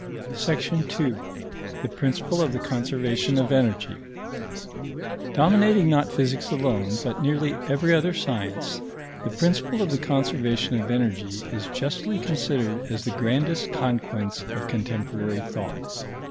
§ 2. THE PRINCIPLE OF THE CONSERVATION OF ENERGY Dominating not physics alone, but nearly every other science, the principle of the conservation of energy is justly considered as the grandest conquest of contemporary thought.